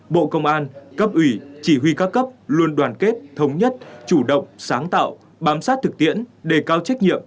bộ công an cấp ủy chỉ huy các cấp luôn đoàn kết thống nhất chủ động sáng tạo bám sát thực tiễn đề cao trách nhiệm